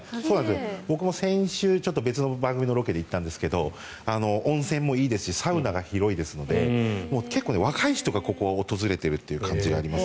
僕も先週、別の番組のロケで行ったんですが温泉もいいですしサウナが広いので結構、若い人がここに訪れてる感じがあります。